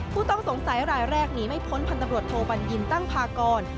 ผู้ต้องสงสัยรายแรกหนีไม่พ้นพันธุ์ตำรวจโทบัญญินตั้งพากร